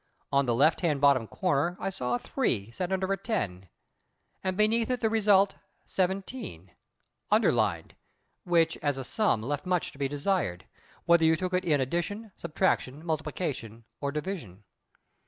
In the left hand bottom corner I saw a 3 set under a 10, and beneath it the result 17 underlined, which, as a sum, left much to be desired, whether you took it in addition, subtraction, multiplication, or division.